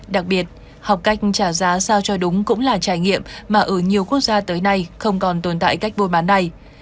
đặc biệt học cách trả giá sao cho đúng cũng là trải nghiệm mà ở nhiều quốc gia tới nay không còn tồn tại cách bôi bán này